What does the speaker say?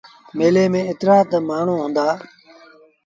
ميلي ميݩ ايترآ تا مآڻهوٚݩ هُݩدآ۔